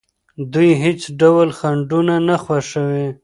دوی هیڅ ډول خنډونه نه خوښوي.